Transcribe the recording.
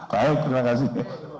baik terima kasih